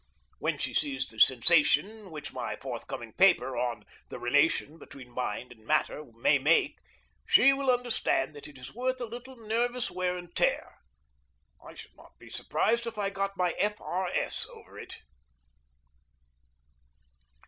When she sees the sensation which my forthcoming paper on "The Relation between Mind and Matter" may make, she will understand that it is worth a little nervous wear and tear. I should not be surprised if I got my F. R. S. over it.